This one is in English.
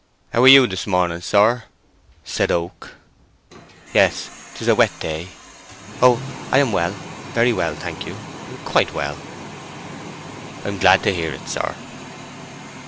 "How are you this morning, sir?" said Oak. "Yes, it is a wet day.—Oh, I am well, very well, I thank you; quite well." "I am glad to hear it, sir."